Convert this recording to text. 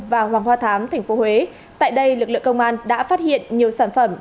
và hoàng hoa thám tp huế tại đây lực lượng công an đã phát hiện nhiều sản phẩm